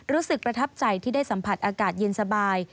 รู้สึกประทับใจที่ได้สัมผัสอากาศเย็นสบาย